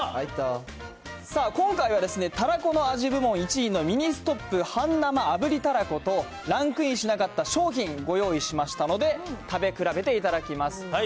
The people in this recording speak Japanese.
今回は、たらこの味部門１位のミニストップ半生炙りたらこと、ランクインしなかった商品、ご用意しましたので、食べ比べていただきます。